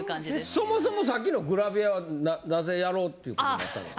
そもそもさっきのグラビアはなぜやろうっていう事になったんですか？